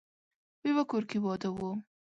په يوه کور کې واده و.